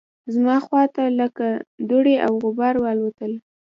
زما مخ ته لکه دوړې او غبار والوتل